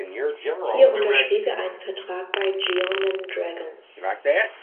Hier unterschrieb er einen Vertrag bei Jeonnam Dragons.